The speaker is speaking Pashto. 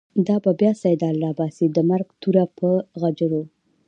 دابه بیا “سیدال” راباسی، دمرګ توره په غجرو